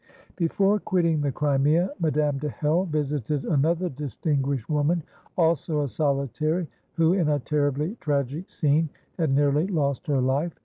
] Before quitting the Crimea, Madame de Hell visited another distinguished woman, also a solitary, who, in a terribly tragic scene, had nearly lost her life.